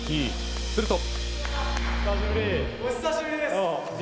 すると。